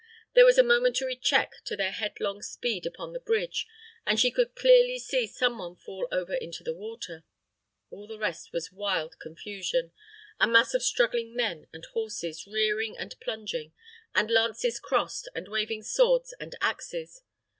There was a momentary check to their headlong speed upon the bridge, and she could clearly see some one fall over into the water. All the rest was wild confusion a mass of struggling men and horses rearing and plunging, and lances crossed, and waving swords and axes.